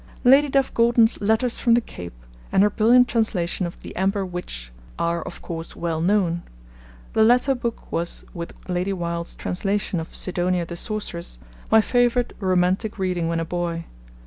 Lady Duff Gordon's Letters from the Cape, and her brilliant translation of The Amber Witch, are, of course, well known. The latter book was, with Lady Wilde's translation of Sidonia the Sorceress, my favourite romantic reading when a boy.